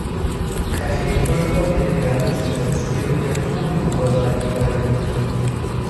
Kaffeepulver wird gerne zum Verzieren der Kuchenoberseite verwendet.